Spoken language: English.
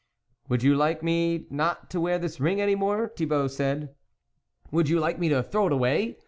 " Would you like me not to wear this ring any more ?" said Thibault. " Would you like me to throw it away